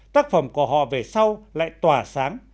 tác phẩm của họ về sau lại tỏa sáng